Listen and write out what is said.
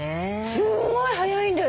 すっごい早いんだよ